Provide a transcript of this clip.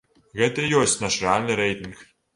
Гэта і ёсць наш рэальны рэйтынг.